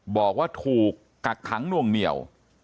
บอกว่าถูกกักขังนวงเหนียว